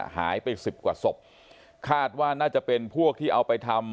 หายไปสิบกว่าศพคาดว่าน่าจะเป็นพวกที่เอาไปทำ